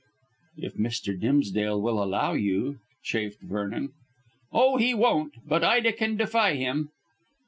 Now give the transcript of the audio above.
"If Mr. Dimsdale will allow you," chafed Vernon. "Oh, he won't; but Ida can defy him."